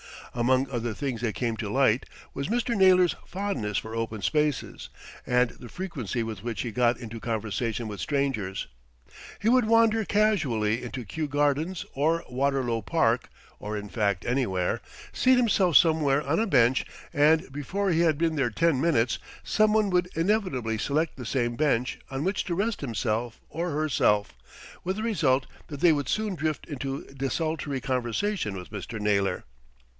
Among other things that came to light was Mr. Naylor's fondness for open spaces, and the frequency with which he got into conversation with strangers. He would wander casually into Kew Gardens, or Waterlow Park, or in fact anywhere, seat himself somewhere on a bench, and before he had been there ten minutes, someone would inevitably select the same bench on which to rest himself or herself, with the result that they would soon drift into desultory conversation with Mr. Naylor.